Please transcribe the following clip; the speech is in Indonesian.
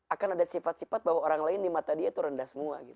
akan ada sifat sifat bahwa orang lain di mata dia itu rendah semua